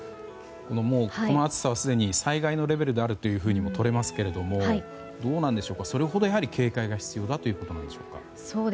この暑さはすでに災害のレベルであるととれますけどもそれほどやはり警戒が必要だということでしょうか。